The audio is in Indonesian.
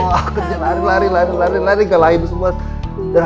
lari lari lari lari lari ke lain semua